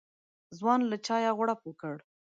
ځوان له چايه غوړپ وکړ.